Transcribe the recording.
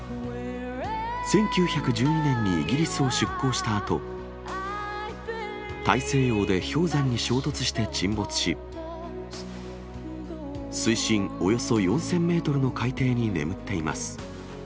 １９１２年にイギリスを出航したあと、大西洋で氷山に衝突して沈没し、水深およそ４０００メートルの海底に眠っています。